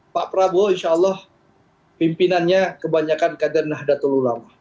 pak prabowo insya allah pimpinannya kebanyakan kader nahdlatul ulama